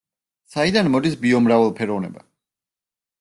საიდან მოდის ბიომრავალფეროვნება?